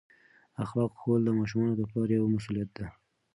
اخلاق ښوول د ماشومانو د پلار یوه مسؤلیت ده.